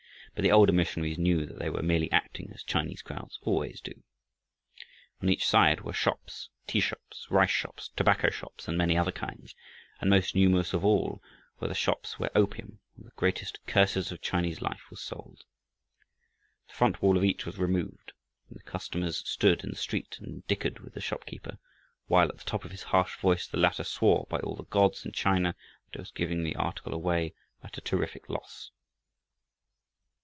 But the older missionaries knew that they were merely acting as Chinese crowds always do. On each side were shops, tea shops, rice shops, tobacco shops, and many other kinds. And most numerous of all were the shops where opium, one of the greatest curses of Chinese life, was sold. The front wall of each was removed, and the customers stood in the street and dickered with the shopkeeper, while at the top of his harsh voice the latter swore by all the gods in China that he was giving the article away at a terrific loss.